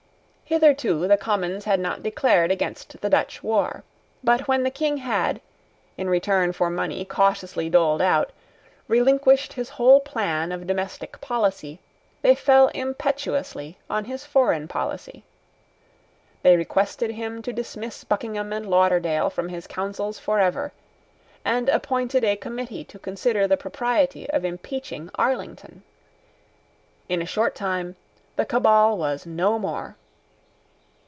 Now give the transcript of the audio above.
Hitherto the Commons had not declared against the Dutch war. But, when the King had, in return for money cautiously doled out, relinquished his whole plan of domestic policy, they fell impetuously on his foreign policy. They requested him to dismiss Buckingham and Lauderdale from his councils forever, and appointed a committee to consider the propriety of impeaching Arlington. In a short time the Cabal was no more.